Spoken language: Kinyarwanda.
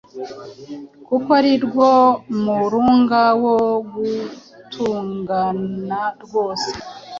kuko ari rwo murunga wo gutungana rwose.